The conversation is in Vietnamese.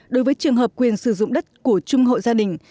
đối với trường hợp quyền sử dụng đất của chung hội gia đình